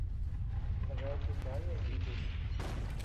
A bea tika ñeʼe biku.